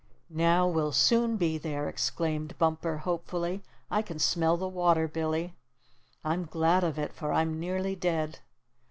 "Now we'll soon be there!" exclaimed Bumper hopefully. "I can smell the water, Billy." "I'm glad of it, for I'm nearly dead."